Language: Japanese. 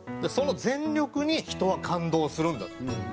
その全力に人は感動するんだと。